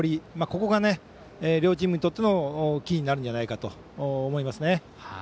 ここが両チームにとってのキーになるんじゃないかと思います。